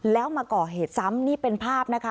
แล้วมาก่อเหตุซ้ำนี่เป็นภาพนะคะ